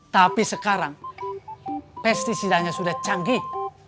tapi sekarang pesticidanya sudah canggih